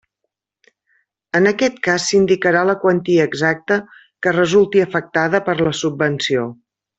En aquest cas s'indicarà la quantia exacta que resulti afectada per la subvenció.